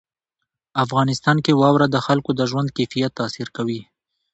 افغانستان کې واوره د خلکو د ژوند کیفیت تاثیر کوي.